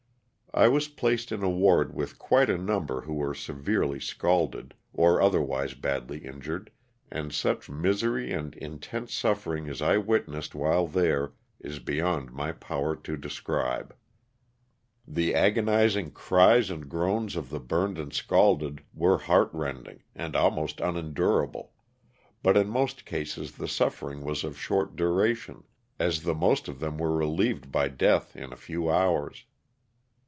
I was placed in a ward with quite a number who were severely scalded, or otherwise badly injured, and such misery and intense suffering as I witnessed while there is beyond my power to describe. The agonizing cries and groans of the burned and scalded were heart rending and almost unendurable, but in most cases the suffering was of short duration as the most of them were relieved by death in a few hours.